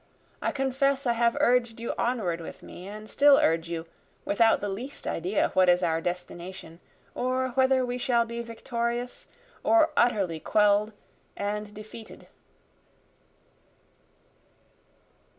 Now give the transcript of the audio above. I confess I have urged you onward with me, and still urge you, without the least idea what is our destination, Or whether we shall be victorious, or utterly quell'd and defeated.